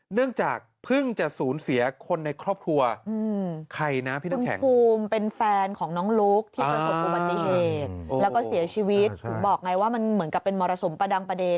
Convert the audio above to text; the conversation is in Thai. เนื่องจากเพิ่งจะสูญเสียคนในครอบครัวใครนะพี่น้ำแข็งภูมิเป็นแฟนของน้องลุ๊กที่ประสบอุบัติเหตุแล้วก็เสียชีวิตถึงบอกไงว่ามันเหมือนกับเป็นมรสุมประดังประเด็น